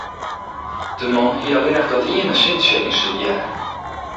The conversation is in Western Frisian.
De man hie allinnich dat iene sintsje ynstudearre.